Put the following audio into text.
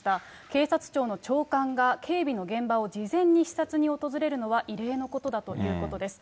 警察庁の長官が警備の現場を事前に視察に訪れるのは異例のことだということです。